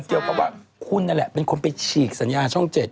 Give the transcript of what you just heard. เกี่ยวกับว่าคุณนั่นแหละเป็นคนไปฉีกสัญญาช่อง๗